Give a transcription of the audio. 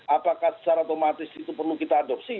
apakah secara otomatis itu perlu kita adopsi